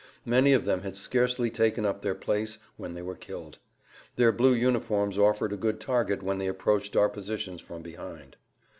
Many of them had scarcely taken up their place when they were killed. Their blue uniforms offered a good target when they approached our positions from behind.